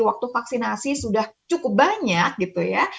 waktu vaksinasi sudah cukup banyak gitu ya